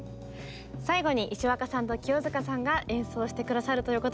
最後に石若さんと清塚さんが演奏して下さるということなんですが。